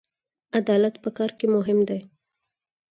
عدالت په کار کې مهم دی